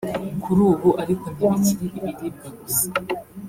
Kuri ubu ariko ntibikiri ibiribwa gusa